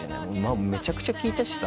めちゃくちゃ聴いたしさ